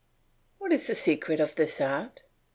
What is the secret of this art?